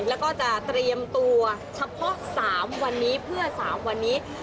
แล้วก็จะเตรียมตัวเฉพาะ๓วันนี้เพื่อ๓วันนี้